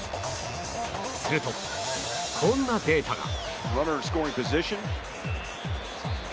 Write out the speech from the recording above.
すると、こんなデータが。